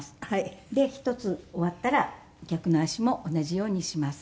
で一つ終わったら逆の足も同じようにします。